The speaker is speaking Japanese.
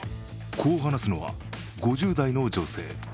こう話すのは５０代の女性。